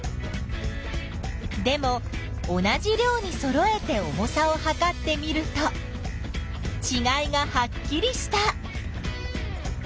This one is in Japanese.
でも同じ量にそろえて重さをはかってみるとちがいがはっきりした。